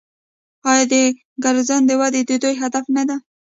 آیا د ګرځندوی وده د دوی هدف نه دی؟